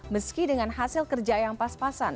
meski dengan hasil kerja yang pas pasan